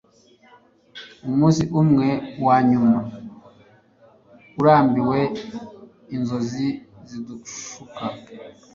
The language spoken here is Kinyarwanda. umunsi umwe wanyuma, urambiwe inzozi zidushuka